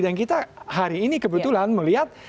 dan kita hari ini kebetulan melihat